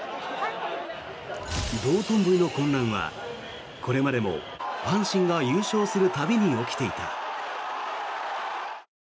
道頓堀の混乱はこれまでも阪神が優勝する度に起きていた。